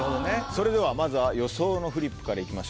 それではまずは予想のフリップからいきましょう。